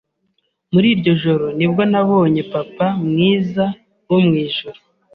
Muri iryo joro nibwo nabonye Papa mwiza wo mu ijuru,